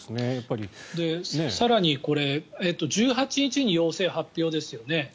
更に１８日に陽性発表ですよね。